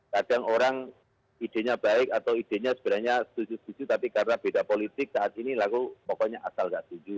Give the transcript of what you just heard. kadang orang idenya baik atau idenya sebenarnya setuju setuju tapi karena beda politik saat ini laku pokoknya asal nggak setuju